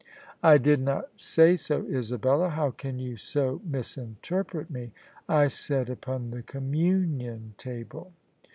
" I did not say so, Isabella : how can you so misinterpret me? I said upon the Communion Table."